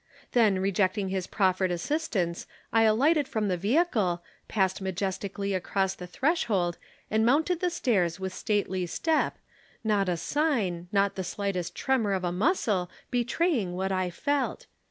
Then, rejecting his proffered assistance, I alighted from the vehicle, passed majestically across the threshold and mounted the stairs with stately step, not a sign, not the slightest tremor of a muscle betraying what I felt.